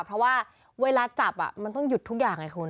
เพราะว่าเวลาจับมันต้องหยุดทุกอย่างไงคุณ